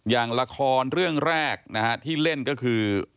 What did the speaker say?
อย่างละครเรื่องแรกนะฮะที่เล่นก็คือ